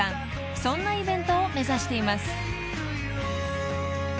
［そんなイベントを目指しています］